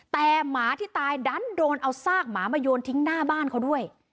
แต่หมาที่ตายดันโดนเอาซากหมามาโยนทิ้งหน้าบ้านเขาด้วย